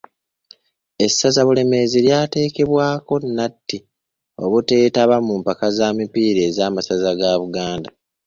Essaza Bulemeezi lyateekebwaako nnatti obuteetaba mu mpaka za mipiira ez’a Masaza ga buganda.